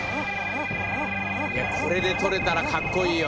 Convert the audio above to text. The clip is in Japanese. いやこれで取れたらかっこいいよ。